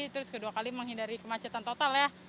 terus kedua kali menghindari kemacetan total ya